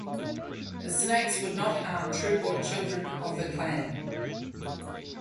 The snakes would not harm true-born children of the clan.